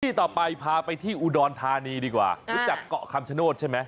ที่ต่อไปพาไปที่อุดรธานีดีกว่ารู้จักเกาะคำชโนธใช่ไหม